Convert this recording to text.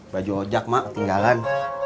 baju ojak mak ketinggalan